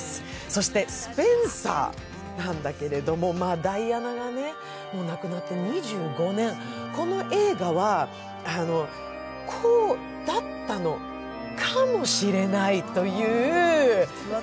そして「スペンサー」なんだけどダイアナが亡くなってもう２５年、この映画は、こうだったのかもしれないという。